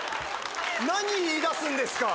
何言いだすんですか？